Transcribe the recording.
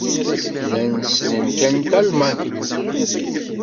Llan ssnen kan talmanit.